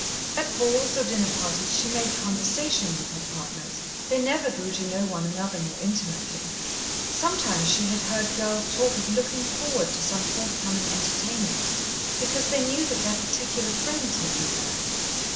At balls or dinner parties, she made conversation with her partners. They never grew to know one another more intimately. Sometimes she had heard girls talk of looking forward to some forthcoming entertainment because they knew that their particular friends would be there.